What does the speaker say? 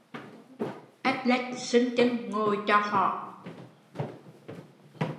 Ếch lếch sưng chưn ngồi chò hõ